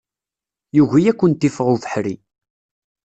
Yugi ad kent-iffeɣ ubeḥri.